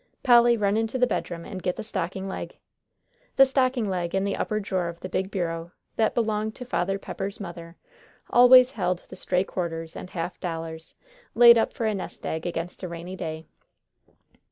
"Polly, run into the bedroom and get the stocking leg." The stocking leg, in the upper drawer of the big bureau that belonged to Father Pepper's mother, always held the stray quarters and half dollars laid up for a nest egg against a rainy day.